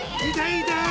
いたい！